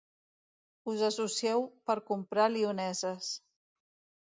Us associeu per comprar lioneses.